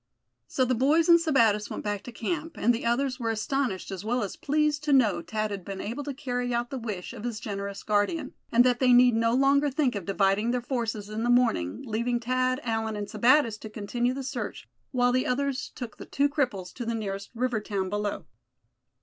So the boys and Sebattis went back to camp, and the others were astonished as well as pleased to know Thad had been able to carry out the wish of his generous guardian; and that they need no longer think of dividing their forces in the morning, leaving Thad, Allan and Sebattis to continue the search, while the others took the two cripples to the nearest river town below.